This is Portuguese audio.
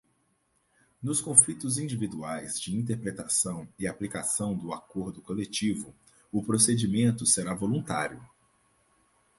Nos conflitos individuais de interpretação e aplicação do Acordo Coletivo, o procedimento será voluntário.